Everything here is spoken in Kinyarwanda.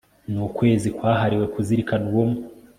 n Ukwezi kwahariwe kuzirikana Ubumwe